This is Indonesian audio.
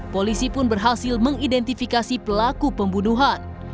polisi pun berhasil mengidentifikasi pelaku pembunuhan